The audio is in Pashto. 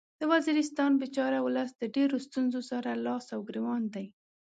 د وزیرستان بیچاره ولس د ډیرو ستونځو سره لاس او ګریوان دی